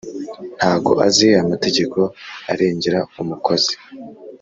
Ntago azi amategeko arengera umukozi